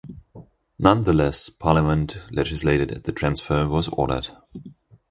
Nonetheless Parliament legislated at the transfer was ordered.